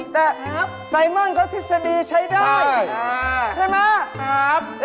แต่ไซมอนเขาทฤษฎีใช้ได้ใช่ไหมครับใช่